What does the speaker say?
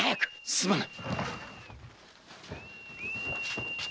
すまぬ！